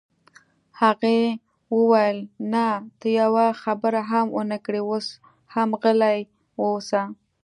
هغې وویل: نه، ته یوه خبره هم ونه کړې، اوس هم غلی اوسه.